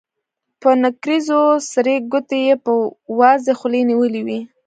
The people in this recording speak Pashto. په نکريزو سرې ګوتې يې په وازې خولې نيولې وې.